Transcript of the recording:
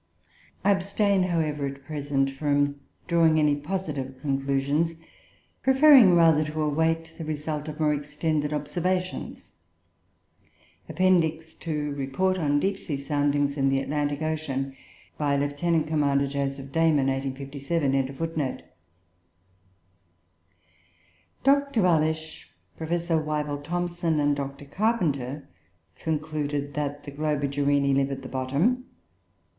"I abstain, however, at present from drawing any positive conclusions, preferring rather to await the result of more extended observations." [Footnote 6: Appendix to Report on Deep sea Soundings in the Atlantic Ocean, by Lieut. Commander Joseph Dayman. 1857.] Dr. Wallich, Professor Wyville Thomson, and Dr. Carpenter concluded that the Globigerinoe live at the bottom.